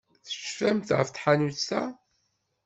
Tecfamt ɣef tḥanut-a?